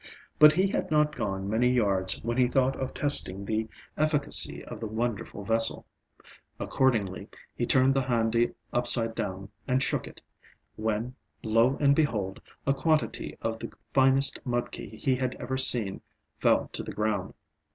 But he had not gone many yards when he thought of testing the efficacy of the wonderful vessel. Accordingly he turned the handi upside down and shook it, when, lo, and behold! a quantity of the finest mudki he had ever seen fell to the ground.